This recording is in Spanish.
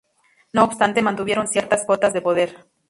No obstante, mantuvieron ciertas cotas de poder.